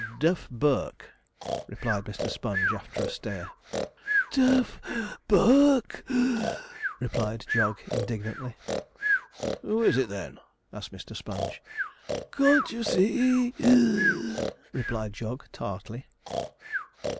'Deaf Burke,' replied Mr. Sponge, after a stare. 'Deaf Burke! (puff),' replied Jog indignantly. 'Who is it, then?' asked Mr. Sponge. 'Can't you see? (wheeze),' replied Jog tartly.